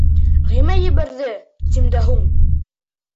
— Ғимай ебәрҙе, тим дә һуң.